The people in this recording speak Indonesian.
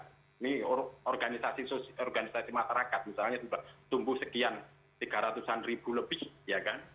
jadi organisasi organisasi masyarakat misalnya sudah tumbuh sekian tiga ratusan ribu lebih ya kan